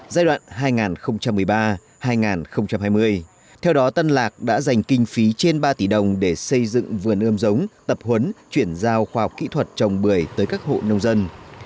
giai đoạn hai nghìn một mươi ba hai nghìn hai mươi theo đó tân lạc đã dành kinh phí trên ba tỷ đồng để xây dựng vườn ươm giống tập huấn chuyển giao khoa học kỹ thuật trồng bưởi tới các hộ nông dân